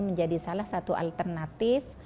menjadi salah satu alternatif